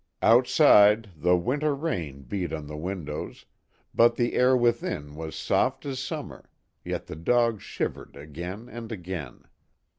Outside, the winter rain beat on 92 A LONG HORROR. the windows, but the air within was soft as sum mer, yet the dog shivered again and again.